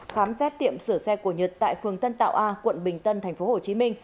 khám xét tiệm sửa xe của nhật tại phường tân tạo a quận bình tân tp hcm